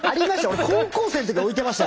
俺高校生の時に置いてましたよ